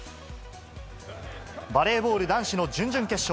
バレーボール男子の準々決勝。